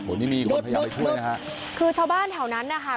วันนี้มีคนพยายามไปช่วยนะฮะคือชาวบ้านแถวนั้นนะคะ